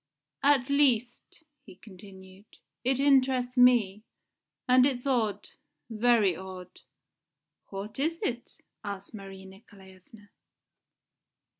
"At least," he continued, "it interests me. And it's odd very odd." "What is it?" asked Marie Nikolaevna.